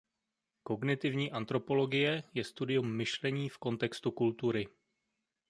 Kognitivní antropologie je studium myšlení v kontextu kultury.